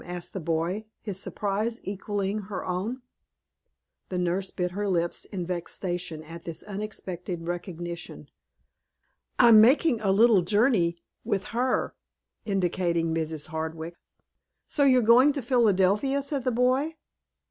asked the boy, his surprise equalling her own. The nurse bit her lips in vexation at this unexpected recognition. "I'm making a little journey with her," indicating Mrs. Hardwick. "So you're going to Philadelphia," said the boy.